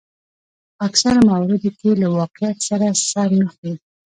په اکثرو مواردو کې له واقعیت سره سر نه خوري.